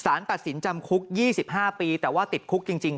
ตัดสินจำคุก๒๕ปีแต่ว่าติดคุกจริง